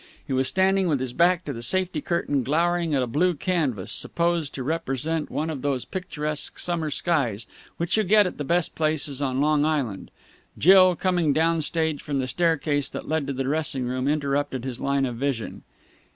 He was standing with his back to the safety curtain glowering at a blue canvas, supposed to represent one of those picturesque summer skies which you get at the best places on Long Island. Jill, coming down stage from the staircase that led to the dressing room, interrupted his line of vision.